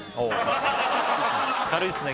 軽いっすね